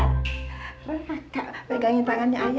raka pegang tangannya ayahnya